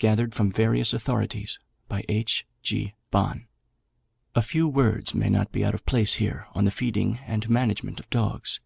Gathered from various authorities by H. G. Bohn. A few words may not be out of place here on the feeding and management of dogs.